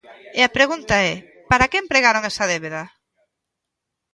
E a pregunta é: ¿para que empregaron esa débeda?